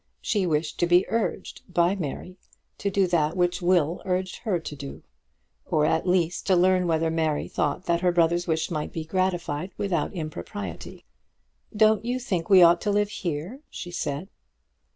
She wished to be urged by Mary to do that which Will urged her to do; or, at least, to learn whether Mary thought that her brother's wish might be gratified without impropriety. "Don't you think we ought to live here?" she said.